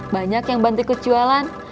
banyak yang bantik kejualan